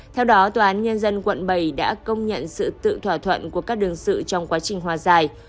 theo đó tòa án nhân dân quận bảy đã công nhận sự tự thỏa thuận của các đương sự trong quá trình hòa giải